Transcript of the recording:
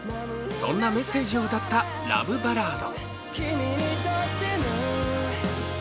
そんなメッセージを歌ったラブバラード。